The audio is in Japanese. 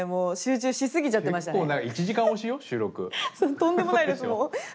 とんでもないです。